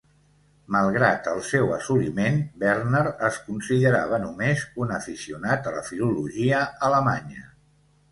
Malgrat el seu assoliment, Verner es considerava només un aficionat a la filologia alemanya.